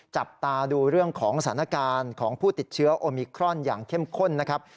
จับตาดูเรื่องของสถานการณ์ของผู้ติดเชื้อโอมิครอนอย่างเข้มข้นนะครับ